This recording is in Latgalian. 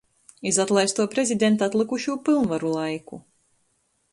Iz atlaistuo Prezidenta atlykušū pylnvaru laiku.